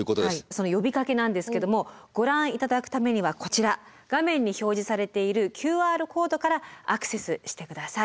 その呼びかけなんですけどもご覧頂くためにはこちら画面に表示されているＱＲコードからアクセスして下さい。